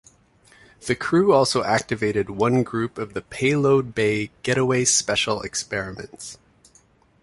The crew also activated one group of the payload bay Getaway Special experiments.